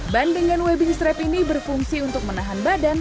ban dengan webbing strap ini berfungsi untuk menahan badan